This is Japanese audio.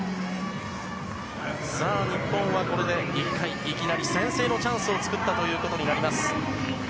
さあ、日本はこれで１回、いきなり先制のチャンスを作ったということになります。